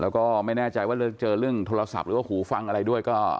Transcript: แล้วก็ไม่แน่ใจว่าเจอเรื่องโทรศัพท์หรือว่าหูฟังอะไรด้วยก็